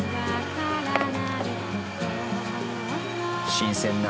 新鮮な。